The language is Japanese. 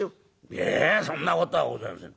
『いやそんなことはございません。